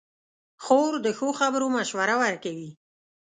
خور د ښو خبرو مشوره ورکوي.